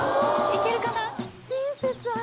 いけるかな？